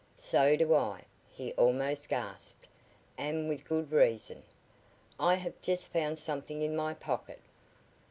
"So do I," he almost gasped, "and with good reason. I have just found something in my pocket."